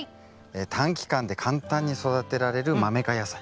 短期間で簡単に育てられるマメ科野菜。